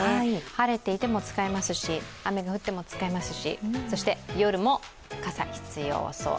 晴れていても使えますし、雨が降っても使えますしそして夜も傘、必要そう。